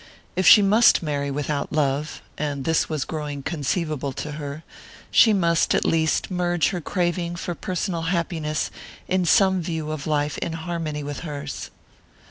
If she must marry without love and this was growing conceivable to her she must at least merge her craving for personal happiness in some view of life in harmony with hers.